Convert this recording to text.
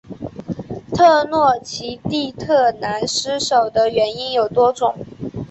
特诺奇蒂特兰失守的原因有多种。